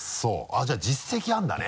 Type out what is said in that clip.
じゃあ実績あるんだね。